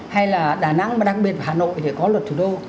hay là đà nẵng mà đặc biệt là hà nội thì có luật thủ đô